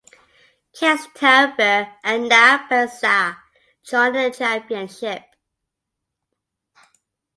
Castletownbere and Na Piarsaigh joined the championship.